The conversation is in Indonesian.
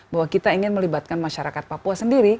bahwa kita ingin melibatkan masyarakat papua sendiri